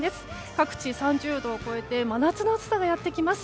各地、３０度を超えて真夏の暑さがやってきます。